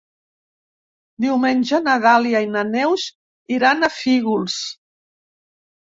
Diumenge na Dàlia i na Neus iran a Fígols.